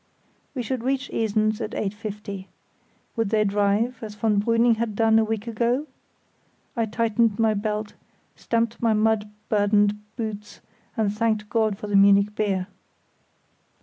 We should reach Esens at 8.50. Would they drive, as von Brüning had done a week ago? I tightened my belt, stamped my mud burdened boots, and thanked God for the Munich beer.